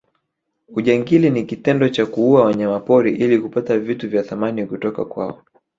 ujangili ni kitendo cha kuua wanyamapori ili kupata vitu vya thamani kutoka kwao